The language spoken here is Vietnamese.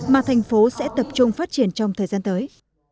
mà thành phố sẽ tập trung phát triển trong thời gian tới